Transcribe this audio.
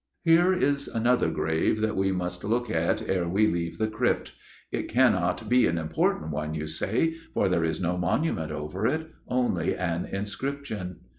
Here is another grave that we must look at ere we leave the Crypt. 'It cannot be an important one,' you say, 'for there is no monument over it, only an inscription.